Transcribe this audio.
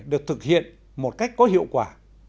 được thực hiện một cách có hiệu quả